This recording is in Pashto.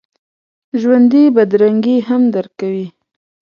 ژوندي بدرنګي هم درک کوي